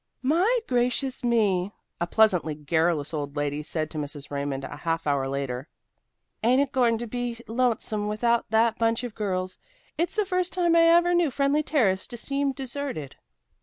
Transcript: "My gracious me," a pleasantly garrulous old lady said to Mrs. Raymond half an hour later, "ain't it going to be lonesome without that bunch of girls. It's the first time I ever knew Friendly Terrace to seem deserted."